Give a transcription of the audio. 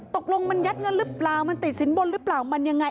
ตกลงมันยัดเงินหรือเปล่ามันติดสินบนหรือเปล่ามันยังไง